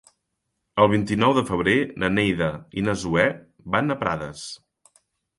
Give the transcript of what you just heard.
El vint-i-nou de febrer na Neida i na Zoè van a Prades.